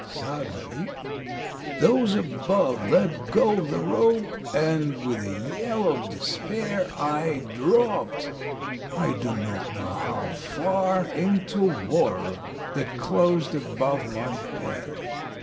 "Suddenly, those above let go of the rope and with a yell of despair I dropped, I do not know how far, into water that closed above my head.